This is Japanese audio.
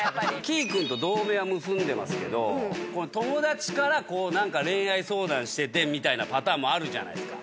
きーくんと同盟は結んでますけど友達からこう恋愛相談しててみたいなパターンもあるじゃないですか。